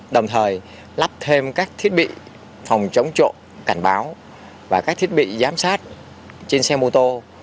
đồng thời lắp thêm các thiết bị phòng chống trộm cảnh báo và các thiết bị giám sát trên xe mô tô